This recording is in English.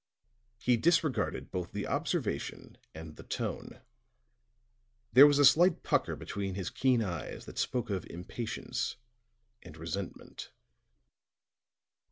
He disregarded both the observation and the tone; there was a slight pucker between his keen eyes that spoke of impatience and resentment.